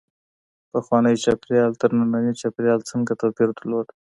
پخوانی چاپېریال تر ننني چاپېریال څنګه توپیر درلود؟